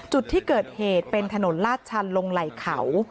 จุดที่เกิดเหตุเป็นถนนลาดชันลงไหล่เขา